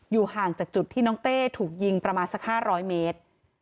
ห่างจากจุดที่น้องเต้ถูกยิงประมาณสัก๕๐๐เมตร